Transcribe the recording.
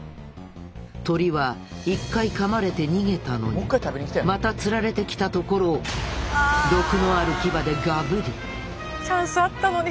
鳥は１回かまれて逃げたのにまたつられてきたところを毒のある牙でガブリチャンスあったのに。